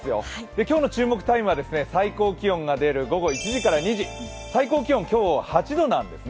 今日の注目タイムは最高気温が出る午後１時から２時、最高気温は今日、８度なんですね。